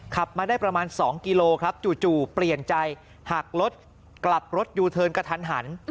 ขับมาได้ประมาณ๒กิโลครับจู่เปลี่ยนใจหักรถกลับรถยูเทิร์นกระทันหัน